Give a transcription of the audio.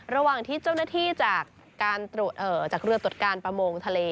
ระหว่างที่เจ้าหน้าที่จากเรือตรวจการประมงทะเล